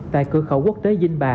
tại cửa khẩu quốc tế vinh bà